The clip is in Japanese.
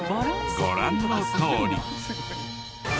ご覧のとおり。